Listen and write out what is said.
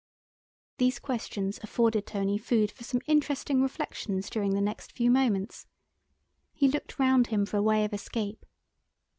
These questions afforded Tony food for some interesting reflections during the next few moments. He looked round him for a way of escape.